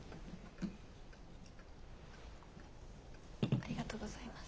ありがとうございます。